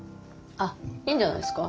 あいいんじゃないですか。